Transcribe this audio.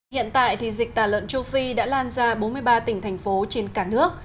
hiện tại dịch tà lợn châu phi đã lan ra bốn mươi ba tỉnh thành phố trên cả nước